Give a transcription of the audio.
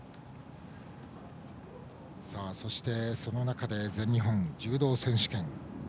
そしてその中で全日本柔道選手権。